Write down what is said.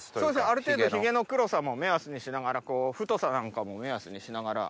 ある程度ヒゲの黒さも目安にしながら太さなんかも目安にしながら。